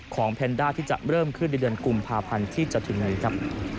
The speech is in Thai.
แพนด้าที่จะเริ่มขึ้นในเดือนกุมภาพันธ์ที่จะถึงนี้ครับ